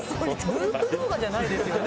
ループ動画じゃないですよね？